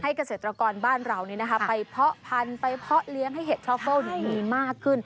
ให้เกษตรกรบ้านเรานี้นะคะไปเพาะพันธุ์ไปเพาะเลี้ยงให้เห็ดทรอเปิ้ลอย่างนี้มากขึ้น